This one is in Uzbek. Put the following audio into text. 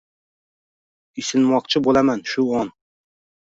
Isinmoqchi bo’laman shu on”.